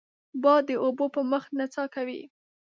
باد د اوبو په مخ نڅا کوي